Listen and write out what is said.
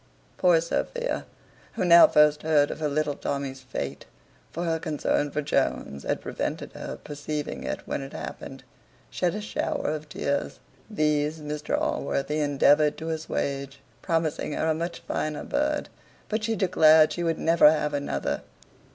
Poor Sophia, who now first heard of her little Tommy's fate (for her concern for Jones had prevented her perceiving it when it happened), shed a shower of tears. These Mr Allworthy endeavoured to assuage, promising her a much finer bird: but she declared she would never have another.